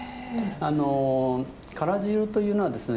あのから汁というのはですね